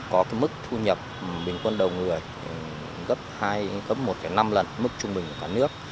có mức thu nhập bình quân đầu người gấp một năm lần mức trung bình của cả nước